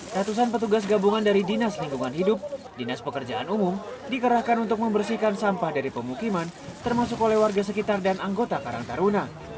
ratusan petugas gabungan dari dinas lingkungan hidup dinas pekerjaan umum dikerahkan untuk membersihkan sampah dari pemukiman termasuk oleh warga sekitar dan anggota karang taruna